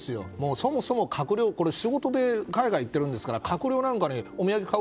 そもそも閣僚は仕事で海外に行ってるんだから閣僚なんかにお土産買う